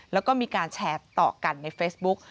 แล้วก็มีการแชร์ต่อกันในเฟซบุ๊ก